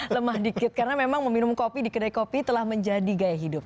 lemah dikit karena memang meminum kopi di kedai kopi telah menjadi gaya hidup